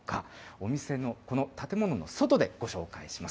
お店のこの建物の外でご紹介します。